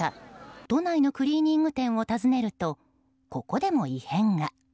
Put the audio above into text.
都内のクリーニング店を訪ねるとここでも異変が。